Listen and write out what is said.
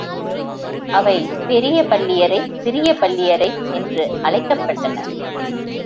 அவை பெரிய, பள்ளி யறை, சிறிய பள்ளியறை என்று அழைக்கப்பட்டன.